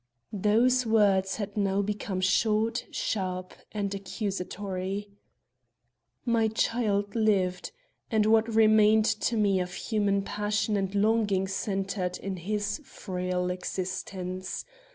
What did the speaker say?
Those words had now become short, sharp, and accusatory. "My child lived; and what remained to me of human passion and longing centered in his frail existence.